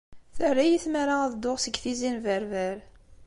Terra-iyi tmara ad dduɣ seg Tizi n Berber.